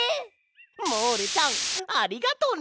モールちゃんありがとね！